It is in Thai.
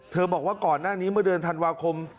บอกว่าก่อนหน้านี้เมื่อเดือนธันวาคม